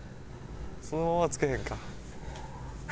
そのまま着けへんか。